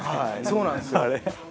そうなんですよ。